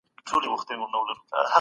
لومړی ماشوم مخکي دئ.